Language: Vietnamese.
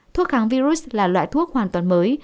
thuốc kháng virus là loại thuốc hoàn toàn mới